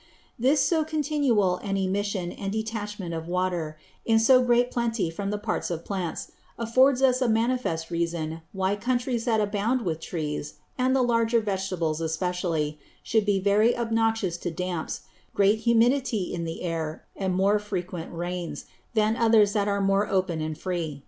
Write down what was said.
This so continual an Emission and Detachment of Water, in so great Plenty from the Parts of Plants, affords us a manifest Reason why Countries that abound with Trees, and the larger Vegetables especially, should be very obnoxious to Damps, great Humidity in the Air, and more frequent Rains, than others that are more open and free.